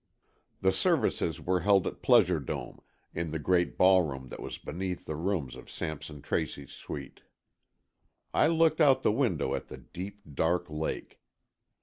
The services were held at Pleasure Dome, in the great ballroom that was beneath the rooms of Sampson Tracy's suite. I looked out the window at the deep, dark lake.